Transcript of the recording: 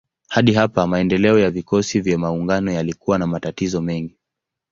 Hadi hapa maendeleo ya vikosi vya maungano yalikuwa na matatizo mengi.